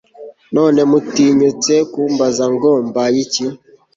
none mutinyutse kumbaza ngo 'mbaye iki